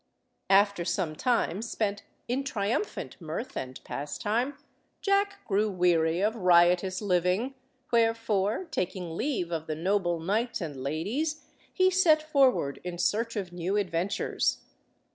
After some time spent in triumphant mirth and pastime, Jack grew weary of riotous living, wherefore, taking leave of the noble knights and ladies, he set forward in search of new adventures.